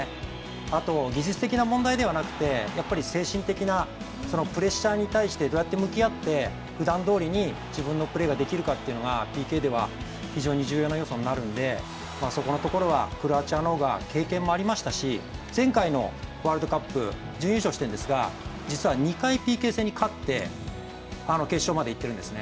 あと技術的な問題ではなくてやっぱり精神的な、プレッシャーに対してどうやって向き合ってふだんどおりに自分のプレーができるかっていうのがＰＫでは非常に重要な要素になるんでそこのところはクロアチアの方が経験もありましたし前回のワールドカップ準優勝してるんですが実は２回ＰＫ戦に勝って決勝に行ってるんですね。